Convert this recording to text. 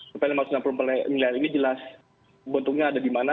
supaya lima ratus enam puluh empat miliar ini jelas bentuknya ada di mana